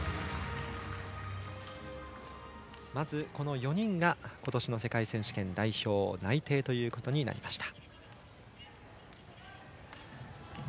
まずこの４人が今年の世界選手権代表内定となりました。